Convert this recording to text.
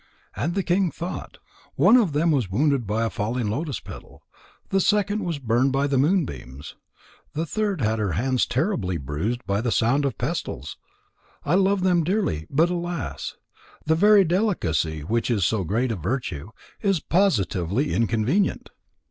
And the king thought: "One of them was wounded by a falling lotus petal. The second was burned by the moonbeams. The third had her hands terribly bruised by the sound of pestles. I love them dearly, but alas! The very delicacy which is so great a virtue, is positively inconvenient."